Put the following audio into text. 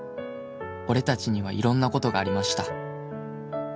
「俺達には色んなことがありました」